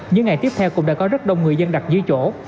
những ngày tiếp theo cũng đã có rất đông người dân đặt dưới chỗ